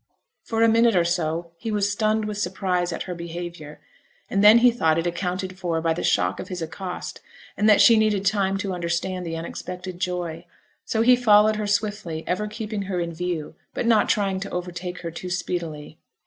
For a minute or so he was stunned with surprise at her behaviour; and then he thought it accounted for by the shock of his accost, and that she needed time to understand the unexpected joy. So he followed her swiftly, ever keeping her in view, but not trying to overtake her too speedily.